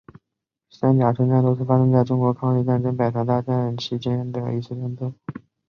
三甲村战斗是发生在中国抗日战争百团大战期间涞灵战役中的一次战斗。